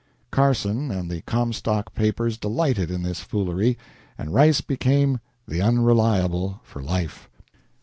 Carson and the Comstock papers delighted in this foolery, and Rice became "The Unreliable" for life.